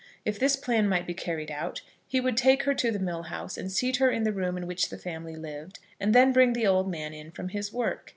If this plan might be carried out, he would take her to the mill house and seat her in the room in which the family lived, and then bring the old man in from his work.